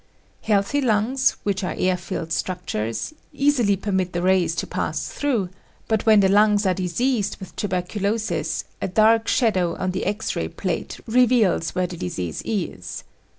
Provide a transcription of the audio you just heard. Healthy lungs, which are air filled structures, easily permit the rays to pass through, but when the lungs are diseased with tuberculosis a dark shadow on the X ray plate reveals where the disease is.